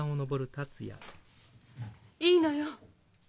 いいのよ。